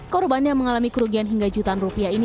korbannya mengalami kerugian hingga jutaan rupiah ini